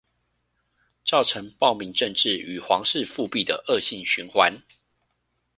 造成暴民政治與皇室復辟的惡性循環